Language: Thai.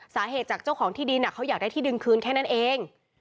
จากเจ้าของที่ดินเขาอยากได้ที่ดินคืนแค่นั้นเอง